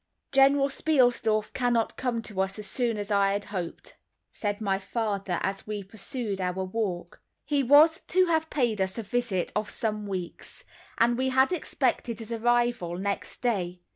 "General Spielsdorf cannot come to us so soon as I had hoped," said my father, as we pursued our walk. He was to have paid us a visit of some weeks, and we had expected his arrival next day.